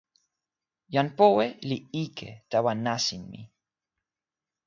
jan powe li ike tawa nasin mi.